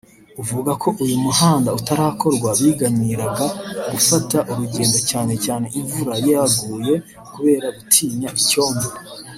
uvuga ko uyu muhanda utarakorwa biganyiraga gufata urugendo cyane cyane imvura yaguye kubera gutinya icyondo